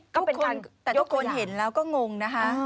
ทุกคนแต่ทุกคนเห็นแล้วก็งงนะคะ